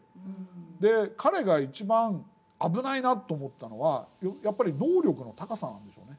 彼が一番危ないなと思ったのはやっぱり能力の高さなんでしょうね。